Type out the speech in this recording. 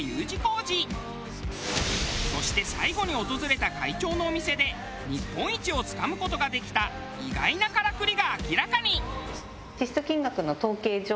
そして最後に訪れた会長のお店で日本一をつかむ事ができた意外なカラクリが明らかに。